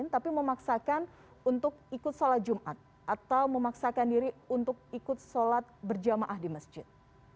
tapi memaksakan untuk ikut sholat jumat atau memaksakan diri untuk ikut sholat berjamaah di masjid